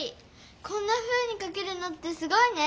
こんなふうにかけるなんてすごいね！